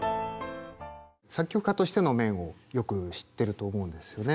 作曲家としての面をよく知ってると思うんですよね。